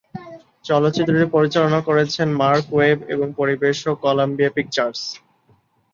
চলচ্চিত্রটি পরিচালনা করেছেন মার্ক ওয়েব এবং পরিবেশক কলাম্বিয়া পিকচার্স।